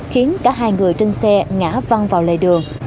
khiến cả hai người trên xe ngã văng vào lề đường